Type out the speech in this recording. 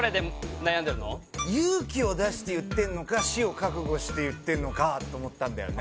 勇気を出して言ってんのか死を覚悟して言ってんのかと思ったんだよね